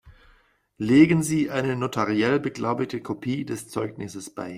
Legen Sie eine notariell beglaubigte Kopie des Zeugnisses bei.